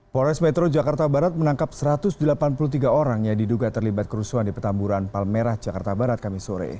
polres metro jakarta barat menangkap satu ratus delapan puluh tiga orang yang diduga terlibat kerusuhan di petamburan palmerah jakarta barat kami sore